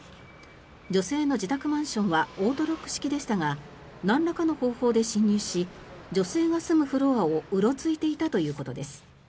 女性の自宅マンションはオートロック式でしたがなんらかの方法で侵入し女性が住むフロアをうろついていたということです。